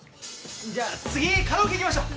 じゃあ次カラオケ行きましょう。